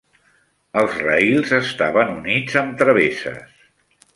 Els raïls estaven units amb travesses